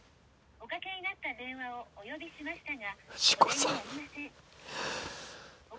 おかけになった電話をお呼びしましたが。